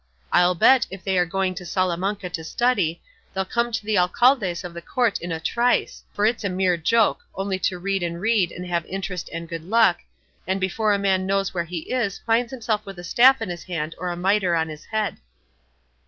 I'll bet, if they are going to Salamanca to study, they'll come to be alcaldes of the Court in a trice; for it's a mere joke only to read and read, and have interest and good luck; and before a man knows where he is he finds himself with a staff in his hand or a mitre on his head."